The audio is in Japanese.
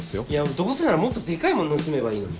どうせならもっとデカいもん盗めばいいのに。